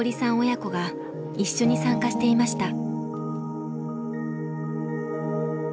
親子が一緒に参加していました。